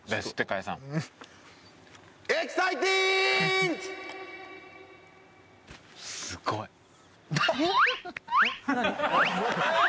すごい。